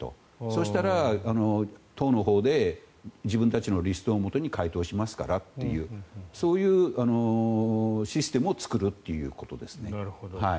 そうしたら、党のほうで自分たちのリストをもとに回答しますからというそういうシステムを作るということですね。